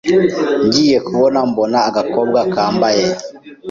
ngiye kubona mbona agakobwa kambaye